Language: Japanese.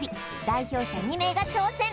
代表者２名が挑戦